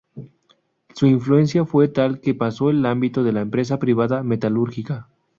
Su influencia fue tal que pasó al ámbito de la empresa privada metalúrgica.